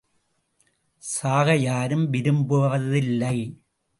சாக யாரும் விரும்புவதில்லை.